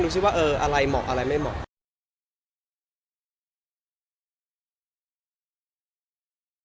รู้สึกว่าอะไรเหมาะอะไรไม่เหมาะ